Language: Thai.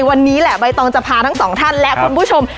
วันนี้แหละใบตองจะพาทั้งสองท่านและคุณผู้ชม